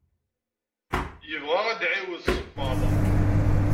Yebɣa ad d-iɛiwed sebbaḍ.